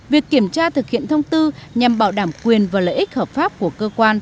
việc kiểm tra thực hiện thông tư nhằm bảo đảm quyền và lợi ích hợp pháp của cơ quan